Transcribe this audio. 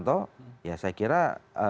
kan ini memperbaiki image